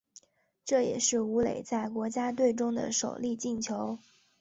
这也是武磊在国家队中的首粒进球。